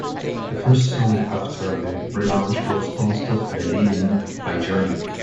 The first song after the relaunch was "Don't Stop Believin'" by Journey.